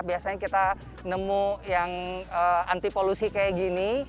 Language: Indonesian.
biasanya kita nemu yang anti polusi kayak gini